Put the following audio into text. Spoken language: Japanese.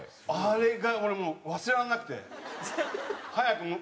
あれが俺もう忘れられなくて。